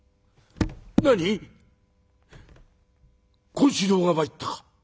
権四郎が参ったか？